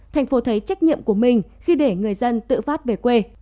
thành phố thấy trách nhiệm của mình khi để người dân tự phát về quê